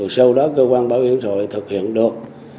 sau đó cơ quan bảo hiểm xã hội thực hiện được